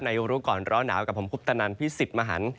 ในยุคลุก่อนร้อนหนาวกับผมคุปตนันพี่สิทธิ์มหัน